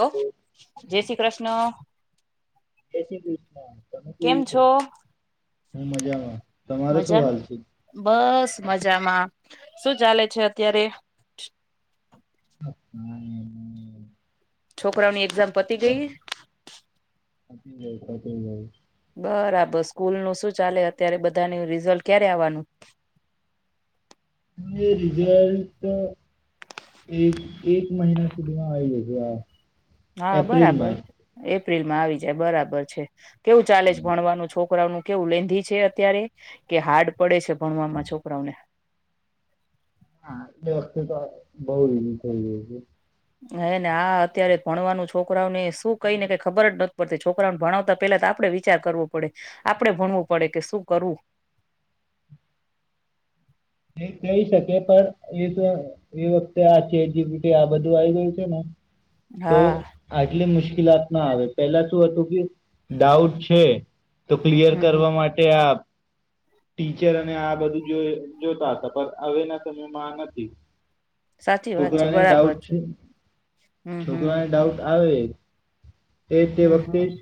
હ. તો જય શ્રી કૃષ્ણ. જય શ્રી કૃષ્ણ તમે કેમ કેવું છે? છો હા મજામાં તમારો શું મજામાં હાલ છે. બસ મજામાં શું ચાલે છે અત્યારે. [inaudible] છોકરાઓની એક દંપતિ ગઈ. કચ જાય કતી જાય [unintelligible] બરાબર સ્કૂલ નું શું ચાલે અત્યારે બધાનું રિઝલ્ટ ક્યારે આવવાનું. રિઝલ્ટ એક એક મહિના સુધીમાં આવી જશે આ. હા બરાબર એપ્રિલમાં છે એ એપ્રિલમાં આવી જાય બરાબર છે. કેવું ચાલે છે ભણવાનું છોક છોકરાઓનું કેવું લેધી છે અત્યારે કે હાર્ડ પડે છે. ભણવામાં [unintelligible] મામાં છોકરાઓને હા એ વખતે તો બહ થઈ ગયુ છે. [unintelligible] હને આ અત્યારે ભણવાનું છોકરાઓને શું કઈ ને કઈ ખબર જ નથી પડતી છોકરાઓને ભણાવતા પેલા તો આપડે વિચાર કરવો પડે આપડે ભણવું પડે કે શું કરવું? એ કઈ શકે પણ એ તો એ વખતે આ ચેટજીપીટી આ બધું આવી ગયું છે ને તો હા આટલી મુશ્કેલ મુલાત ના આવે પેલા શું હતું કે ડાઉટ છે. તો ક્લિયર હમ હમ કરવા માટે આ ટીચર અને આ બધું જો જોતા હતા પણ હવેના સમયમાં આ નથી. સાચી વાત છે છોકરાને બરાબર ડાઉટ છે હમ હમ છોકરાને ડાઉટ આવે. તે તે હમ વખતે હમ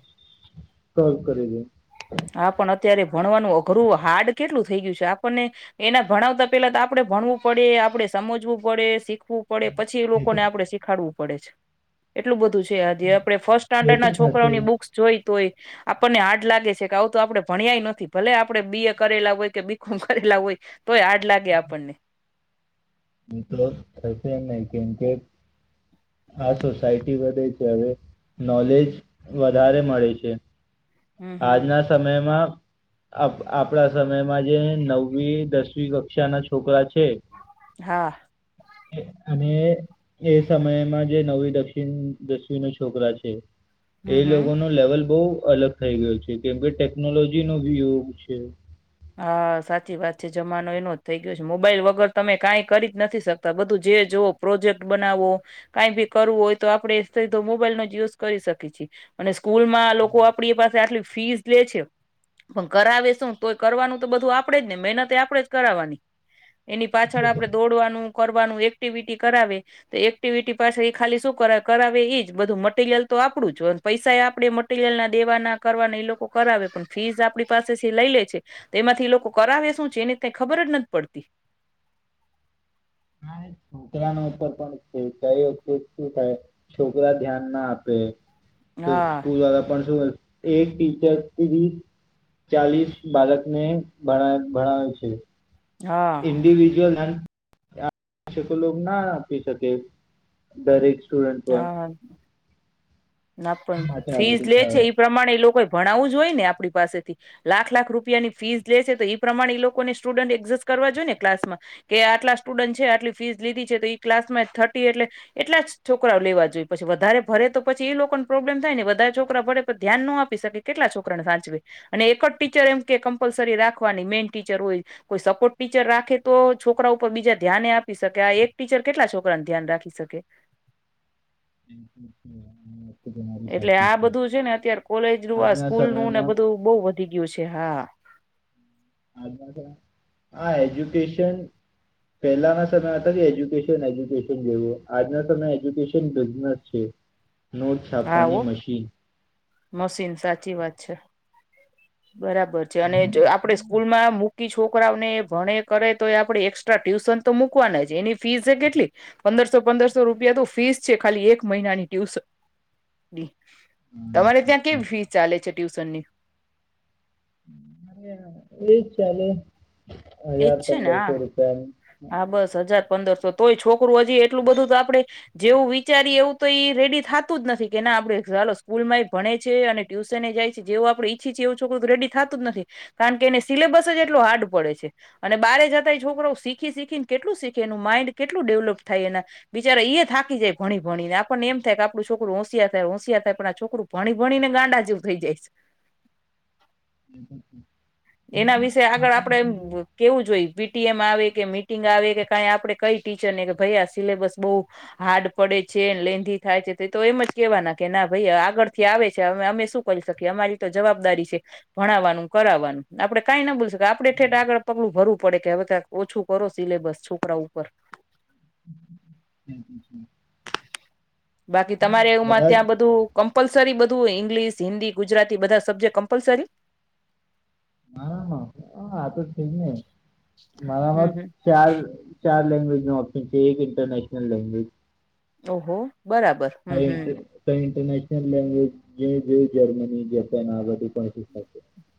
સોલ્વ કરે છે. હા પણ અત્યારે ભણવાનું અઘરું હાર્ડ કેટલું થઇ ગયું છે. આપણને એના ભણાવતા પેલા તો આપડે ભણવું પડે આપડે સમજવું પડે શીખવું શીખવું પડે પછી એ લોકોને આપડણે શીખાડવું પડે છે એટલું બધું છે. આજે આપડે ફર્સ્ટ એ તો સ્ટાન્ડર્ડના છોકરા થશે ની બુક્સ જોઈ તો હોય આપણને હાર્ડ લાગે છે. આવ તો આપડણે ભણ્યાય નથી ભલે આપડે બી એ કરેલા હોય કે બી કોમ કરેલા હોય તોય હાર્દ લાગે આપણને. એ તો થશે નહી કેમકે આ સોસાયટી વધે છે હવે નોલેજ વધારે મળે છે. હમ હમ આજના સમયમાં આપણા સમયમાં જે નવમી દસમી કક્ષાના છોકરા છે. હા અને એ સમયમાં જે નવવી દક્ષિણ દસમી ન છોકરા છે. એ હમ હમ લોકો ન લેવલ બહ અલગ થઈ ગયો છે કેમ ભાઈ ટેકનોલોજી નોયોગ છે. હા સાચી વાત છે જમાનો એનો જ થઈ ગયો છે મોબાઈલ વગર તમે કઈ કરી જ નથી સકતા બધું જે જોવઓ પ્રોજેક્ટ બનાવવો કઈ બી કરવું હોય તો આપડણેે સીધો મોબાઈલનોો જ યુઝ કરી શકીએ છીએ અને સ્કૂલ માં લોકો આપડી પાસે આટલી ફીઝ લે છે પણ ઘ આવે શું તો કરવાનું તો બધું આપણેે જ ને મહેનત આપણેે જ કરાવવાની એની પાછળ આપડણે દોડવાનું કરવાનું એક્ટિવિટી કરાવે તો એક્ટિવિટી પાસે એ ખાલી શું કર કરાવે એજ બધું મટીરિયલ તો આપડું જ પૈસા આપણેે મટીરિયલ ના દેવાના કરવાના એ લોકો કરાવે પણ ફીસ આપણી પાસેથી લઈ લે છે. તે એમાંથી એ લોકો કરાવે શું છે એને ત ખબર જ નથી પડતી. છોકરા ન ઉપર પણ શું થાય છોકરા ધ્યાન ના આપે. તો હા પુવાા પણ શુંય એક ટીચર ત્રીસ ચાલીસ બાળકને ભણ ભણાવે છે. હા ઇન્ડિવિજ્યુઅલ તો ના આપી શકે દરેક સ્ટુડન્ટ પર હા. ના આ પણ માટે આ ફીઝ બધું લે છે થાય એ પ્રમાણે એલો લોકોય ભણાવવું જોઈયે ને આપણી પાસેથી, લાખ લાખ રૂપિયા ની ફીઝ લેશે તો એઈ પ્રમાણે એ લોકોને સ્ટુડન્ટ એક્જસ્ટ કરવા જોઈ ને ક્લાસમાં કે આટલા સ્ટુડન્ટ છે આટલી ફીસ લીધી છે, તો ઈ ક્લાસ માં થર્ટી એટલે એટલા જ છોકરાઓ લેવા જોઈએ, પછી વધારે ભરે તો... પછી એ લોકોને પ્રોબ્લેમ થાય ને બધા છોકરા ભરેે પણ ધ્યાન ન આપી શકે, કેટલા છોકરાને સાચવે અને એક જ ટીચર એમ કે કમ્પલસરી રાખવાની મેઈન ટીચર હોય, કોઈ સપોર્ટ ટીચર રાખે તો છોકરા ઉપર બીજા ધ્યાને આપી શકે, આ એક ટીચર કેટલા છોકરાને ધ્યાન રાખી શકે. હમમ એટલે આ બધું છે ને અત્યારે કોલેજ નું આ આજના સ્કૂલ નું ને સમયમાં બધું બહુ વધી ગ્યુ છે હા. આજના સમયમાં, હા એજ્યુકેશન પેલાના સમય હતા જે એજ્યુકેશન એજ્યુકેશન જેવું આજના સમય એજ્યુકેશન બિઝનેસ છે. નોટ હા છાપવાની ઓ મશીન મશીન સાચી વાત... ચ્છા... બરાબર છે અને જ આપણે સ્કૂલમાં મુ કી છોકરાઓને ભણે કરે તો એ આપણેે એક્સ્ટ્રા ટ્યુશન તો મૂકવાના જ એની ફીસ છે કેટલી પંદરસો પંદરસો રૂપિયા તો ફીસ છે ખાલી એક મહિનાની ટ્યુશન... બી... તમારે ત્યાં કેવી ફી ચાલે છે. ટ્યૂશનની... અરે એજ ચાલે... એજ હજાર છે ને હા પંદરસો રૂપિયાનું... હા બસ હજાર પંદરસો તોય છોકરું હજી એટલું બધું તો આપણે જેવું વિચારીએ એવું તો એ રેડી થાતું જ નથી, કે ના આપડે ચાલો સ્કૂલમાં એ ભણે છે, અને ટ્યુશને જાય છે, જેવું આપડે ઈચ્છીએ છે એવું છોકરું તો રેડી થાતું જ નથી, કારણ કે એને સિલેબસ જ એટલો હાર્ડ પડે છે. અને બારે જતાય એ છોકરો શીખી શીખીને કેટલું શીખે, એનું માઈન્ડ કેટલું ડેવલપ થાય, એના બિચારા ઈ એ થાકી જાય ભણી ભણી ને, આપણને એમ થાય કે આપણું છોકરું હોંશિયાર થાય, હોંશિયાર થાય પણ આ છોકરું ભણી ભણીને ગાંડા જેવું થઈ જાય છે. અહહ એના વિશે આગળ આપડે એમ કેવું જોઈ... પીટીએમ આવે કે, મીટિંગ આવે કે કઈ આપણે કઈ ટીચરને કે, ભાઈ આ સિલેબસ બહુ હાર્ડ પડે છે, લેન્ધી થાય છે, તો એમ જ કેહેવાના કે ના ભાઈ આગળ થી આવે છે. અમે શું કરી શકીએ. અમારી તો જવાબદારી છે. ભણાવવાનું, કરાવવાનું. આપણે કાંઈ ના બોલી શક આપણે થેટ આગળ પગલું ભરું... પડે કે, હવે કઈક ઓછું કરો સિલેબસ છોકરા ઉપર. બાકી, તમારે એવુંમાં બધા જ ત્યાં બધું... કમ્પલસરી બધું ઇંગ્લિશ, હિન્દી, ગુજરાતી બધા સબ્જેક્ટ કમ્પલસરી. [inaudible] [unintelligible] મારા હમ હાથ હમ ચાલ ચાલ... લેંગ્વેજ ના ઓપ્શન છે, એક ઇન્ટરનેશન લેંગવેજ. ઓહો. બરાબર, હ હ. કઈ ઇન્ટરનેશનલ લેંગ્વેજ, જે જર્મની, જપાન આ બધી પણ.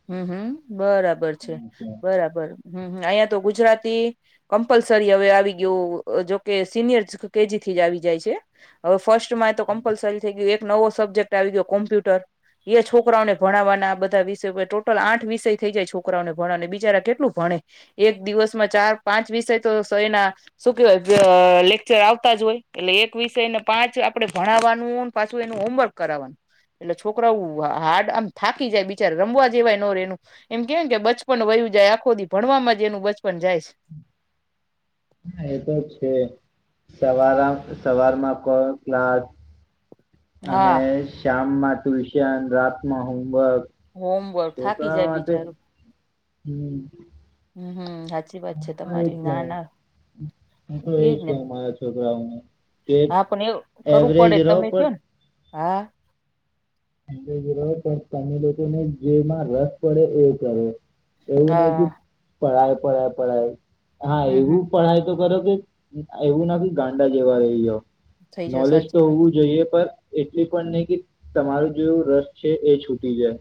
હ હ, બરાબર છે, શીખાશે બરાબર, હ હ અહીંયા જ... ગુજરાતી કમ્પલસરી હવે આવી ગયું, જોકે સિનિયર કેજી થી જ આવી જાય છે, હવે... ફર્સ્ટમાં એ તો કમ્પલસરી થઈ ગયું. એક... નવો સબ્જેક્ટ આવી ગયો, કોમ્પ્યુટર એ છોકરાઓને ભણાવવાના બધા વિસ. ટોટલ આઠ વિષય થઈ જાય. છોકરાઓને ભણવાને બિચારા કેટલું ભણે એક દિવસમાં ચાર પાંચ વિષય તો એના શું કેવાય લેકચર આવતા જ હોય. એટલે એક વિષયને પાંચ આપડે ભણાવવાનું પાછું એનું હોમવર્ક કરાવવાનું. એટલે છોકરાઓ હાર્ડ આમ થાકી જાય. રમવા જેવાય ન રેણુ. એમ કેય ને બચપન વયુ જાય આખો દી, ભણવામાં જ એનું બચપન જાય છે. હા! એ તો છે. સવાર સવારમાં કો ક્લાસ. અને હા. શામમાં. ટ્યુશન રાતમાં હોમવર્ક હોમવર્ક થાકી છોકરા જાય માટે બિચારું હમ હમ હમ. સાચી વાત છે હ તો એજ તમારી ક ના ના હું તો એજ કું મારા છોકરાઓ કે હા પણ એ કરવું એવરેજ પડે રહો તમે પણ કયો ને હા. જ પણ સામે લોકોને જેમાં રસ પડે એવ કરે એવું નહ કે હા. પારય પળ્યા પળાય હા હમ હમ એવું પડાય તો કરો એવું ના ગાંડા જેવા રહી જાવ થઈ જાવ નોલેજ સાચી તો વાત હોવું જોઈએ પણ એટલી પણ નહી કે તમારું જેવું રસ છે એ છૂટી જાય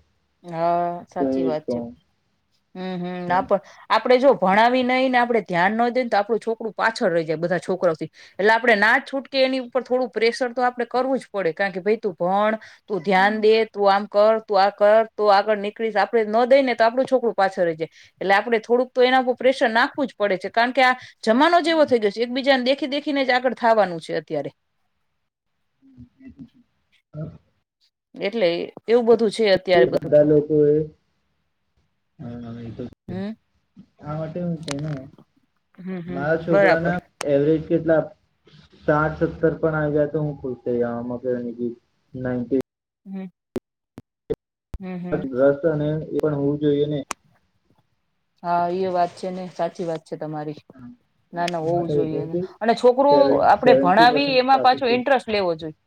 હા તો સાચી એજ વાત છે. કહું હમ હમ એમ આપ આપડે જો ભણાવી નઈ ને આપડણે ધ્યાન ન દઈને તો આપણું છોકરું પાછળ રહી જાય બધા છોકરાથી એટલે આપણે ના જ છૂટકે એની ઉપર થોડું પ્રેશર તો આપડણે કરવું જ પડે કારણ કે ભાઈ તું ભણ તું ધ્યાન દે તું આમ કર તુઆ કર તો આગળ નીકળીશ આપડે ન દઈ ને તો આપણું છોકરું પાછળ રહી જાય એટલે આપડણે થોડુંક તો એના ઉપર પ્રેશર નાખવું જ પડે છે કારણ કે આ જમાનો જેવો થઈ ગયો છે એકબીજાનેે દેખી દેખીને જ આગળ થવાનું છે અત્યારે હ. એટલે એવું બધું છે અત્યારે બધા બધું લોકો એ હ હમ. આ માટે હ ક હમ મારા હમ છોકરા બરાબર ના એવરેજ કેટલા સાત સત્તર પણ આવી ગાય તો હું ખુશ થય જાવ તો એ ના હમ. હમ હમ રસ અને પણ હોવું જોઈએ ને હા એ વાત છે ને સાચી વાત છે. તમારી ના ના હોવું માટે જોઈએ અને છોકરોુ આપડે સેવન્ટી ભણાવી પસેન્ટ એમાં કાફી પાછો છે ઇન્ટરેસ્ટ લેવો જોઈએ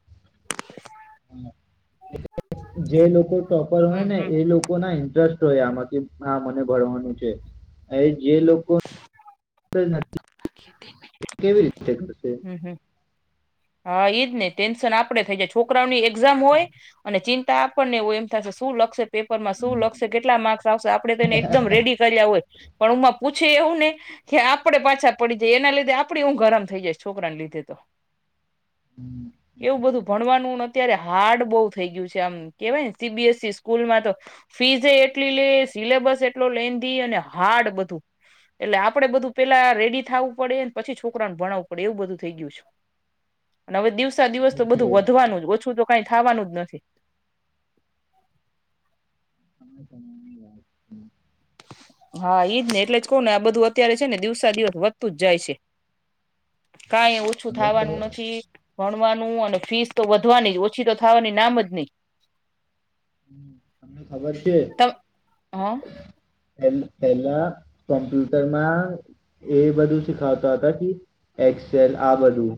જે લોકો ટોપર હોય હમ ને હમ એ લોકો ના ઇન્ટરેસ્ટ હોય આમાંથી હા મને ભણવાનું છે એ જે લોકો કેવી રીતે કરશે હમ હમ હા ઈજ ને ટેન્શન આપડે થઇ જાય છોકરાઓની એક્ઝામ હોય અને ચિંતા આપણને હોય એમ થશે શું લક્ષશે પેપર માં શું હા એ તો લખશે કેટલા માર્ક્સ આવશે આપડે તેને એકદમ રેડી કર્યા હોય પણ પૂછે એવું ને કે આપડે પાછા પડી જાયે એના લીધે આપડી ઊંઘ હરામ થયે જાયે છોકરાને લીધે તો એવું બધું ભણવાનું નથી અત્યારે હાર્ડ બહુ થઈ ગયું છે આમ કેવાયને સીબીએસ સ્કૂલમાં તો ફીઝ એટલી લે સિલેબસ એટલો લેંધી અને હાર્ડ બધું એટલે આપડે બધું પેલા રેડી થવું પડે પછી છોકરાને ભણાવવું પડે એવું બધું થઇ ગયું છે અને હવે દિવસે એ દિવસ તો છે બધું વધવાનું જ ઓછું કઈ થવાનું જ નથી [inaudible] હા ઈદ ને એટલે જ કવ ને આ બધું અત્યારે છે ને દિવસા દિવસ વધતું જ જાય છે કઈ ઓછું હવે થાવાનું તો નથી ભણવાનું અને ફીસ તો વધવાની જ ઓછી તો થવાની નામ જ નહી તમે ને ખબર છે ત હ હા પેલા પેલા કોમ્પ્યુટરમાં એ બધું શીખાવતા હતા કે એક્સેલ આ બધું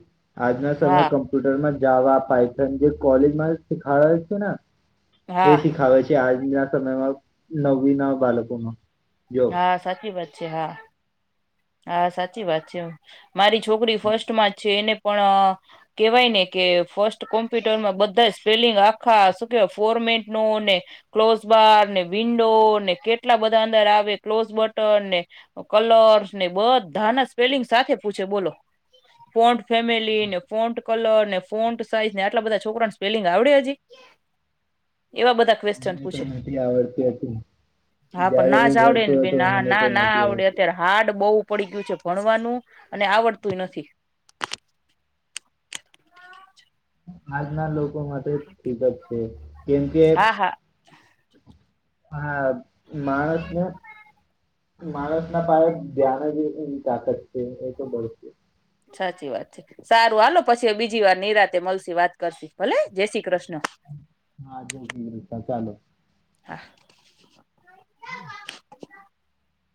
આજના સમયે હા કમ્પ્યુટરમાં જાવા પાાયથન જે કોલેજમાં શખાડે છે ને એ શીખાવે છે આજ આ સમયમાં નવવી ના બાળકોમાં જો હા સાચી વાત છે હા હા સાચી વાત છે મારી છોકરી ફર્સ્ટ માં જ છે એને પણ કેવાય ને કે ફર્સ્ટ કોમ્પ્યુટરમાં બધા સ્પેલિંગ આખા શું કેવાય ફોર્મેટ નો ને ક્લોઝ બાર વિન્ડો ને કેટલા બધા અંદર આવે ક્લોઝ બટન ને કલરસ ને બધાના સ્પેલિંગ સાથે પૂછે બોલો ફોન્ટ ફેમિલી ને ફોન્ટ કલર ને ફોન્ટ સાઈઝ ને આટલા બધા છોકરાને સ્પેલિંગ આવડે હજી એવા બધા ક્વેશ્ચન મને પૂછે નથી આવડતુ હતુ હા પણ જયારે ના હું આવડે ભણતો ને બે હતો ના મને તો ના નથી આવડે આવડતી અત્યારે હાર્ડ બહુ પડી ગયું છે ભણવાનું અને આવડતુંએ નથી આજના લોકો લોકો માટે [unintelligible] છે કેમ કે હા હા હા માણસને માણસના પાહે ધ્યાન જ તાકાત છે એ તો સાચી વાત છે સારું આાલો પછી બીજી વાર નિરાતે મળસી વાત કરશુ ભલે જય શ્રી કૃષ્ણ હા [inaudible] હા